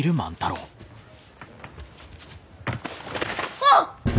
あっ！？